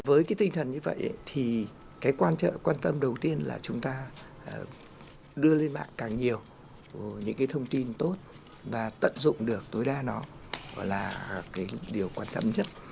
với cái tinh thần như vậy thì cái quan trọng quan tâm đầu tiên là chúng ta đưa lên mạng càng nhiều những cái thông tin tốt và tận dụng được tối đa nó và là cái điều quan trọng nhất